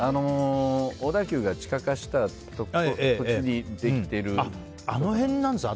小田急が地下化した土地にあの辺なんですね。